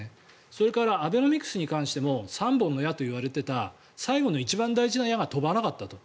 それからアベノミクスに関しても３本の矢といわれていた最後の一番大事な矢が飛ばなかったと。